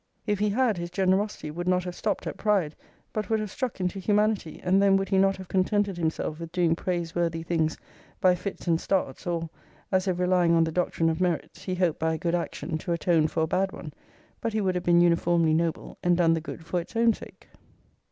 If he had, his generosity would not have stopt at pride, but would have struck into humanity; and then would he not have contented himself with doing praiseworthy things by fits and starts, or, as if relying on the doctrine of merits, he hoped by a good action to atone for a bad one;* but he would have been uniformly noble, and done the good for its own sake.